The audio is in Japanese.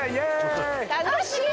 楽しい！